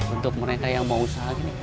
untuk mereka yang mau usaha gini